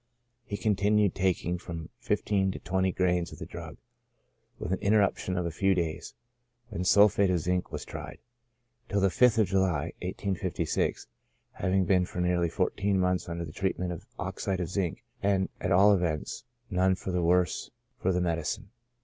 He continued taking from fifteen to twenty grains of the drug, with an interruption of a few days, (when sulphate of zinc was tried,) till the 5th of July, 1856, having been for nearly fourteen months under treatment with oxide of zinc, and, at all events, none the worse for the medicine.